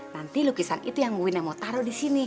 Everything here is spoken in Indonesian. nanti lukisan itu yang mungkin yang mau taruh di sini